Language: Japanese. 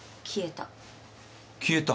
消えた？